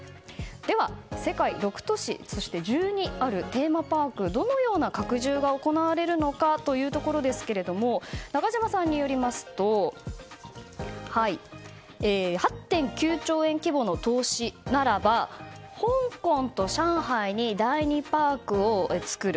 では、世界６都市そして１２あるテーマパークどのような拡充が行われるのかというところですが中島さんによりますと８．９兆円規模の投資ならば香港と上海に第２パークを作る。